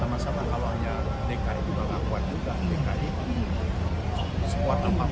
kita sama sama kalau hanya dki juga lakukan juga dki sempat lompat